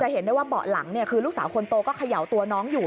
เห็นได้ว่าเบาะหลังคือลูกสาวคนโตก็เขย่าตัวน้องอยู่